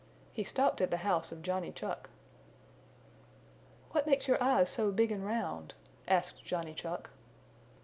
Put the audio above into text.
He stopped at the house of Johnny Chuck. "What makes your eyes so big and round?" asked Johnny Chuck.